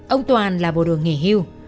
ông toàn là bộ đường nghỉ hưu